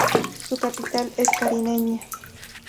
Su capital es Cariñena.